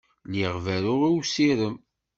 Lliɣ berruɣ i usirem.